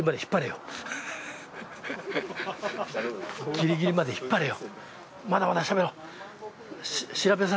ギリギリまで引っ張れよ。